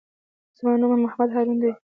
زما نوم محمد هارون دئ.